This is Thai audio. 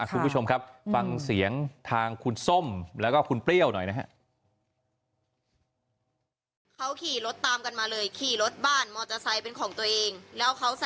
คุณผู้ชมครับฟังเสียงทางคุณส้มแล้วก็คุณเปรี้ยวหน่อยนะฮะ